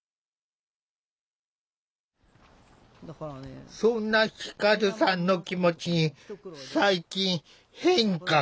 さっきもそんな輝さんの気持ちに最近変化が。